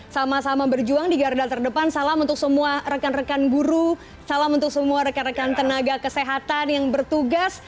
sama sama berjuang di garda terdepan salam untuk semua rekan rekan guru salam untuk semua rekan rekan tenaga kesehatan yang bertugas